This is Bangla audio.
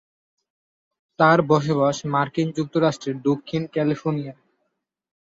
তার বসবাস মার্কিন যুক্তরাষ্ট্রের দক্ষিণ ক্যালিফোর্নিয়ায়।